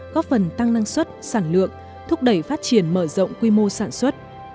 góp phần tăng năng suất sản lượng thúc đẩy phát triển mở rộng quy mô sản xuất